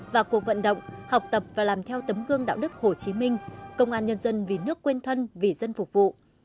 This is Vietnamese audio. và cuộc vận động học tập và làm theo tấm gương đạo đức hồ chí minh công an nhân dân vì nước quên thân vì dân phục vụ